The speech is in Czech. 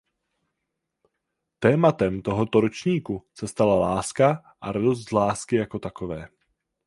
Tématem tohoto ročníku se stala láska a radost z lásky jako takové.